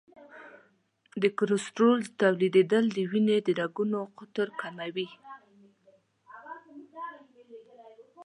د کلسترول تولیدېدل د وینې د رګونو قطر کموي.